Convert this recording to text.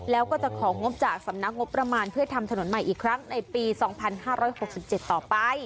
แล้วก็จะของงบจากสำนักงบประมาณเพื่อทำถนนใหม่อีกครั้งในปี๒๕๖๗ต่อไป